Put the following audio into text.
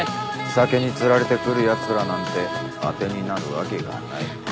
酒に釣られて来るやつらなんて当てになるわけがない。